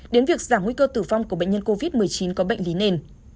đến việc giảm nguy cơ tử vong của bệnh nhân covid một mươi chín có bệnh lý nền